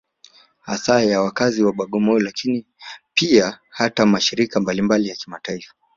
Hasa ya wakazi wa Bagamoyo Lakini pia hata mashirika mbalimbali ya kimataifa